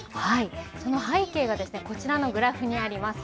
その背景がこちらのグラフにあります。